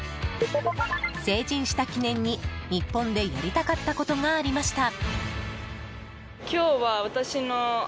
成人した記念に日本でやりたかったことがありました。